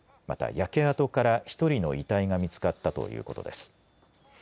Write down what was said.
また焼け跡から１人の遺体が見つかったということです。